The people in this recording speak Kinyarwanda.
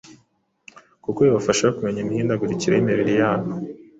Kuko bibafasha kumenya imihindagurikire y’imibiri yabo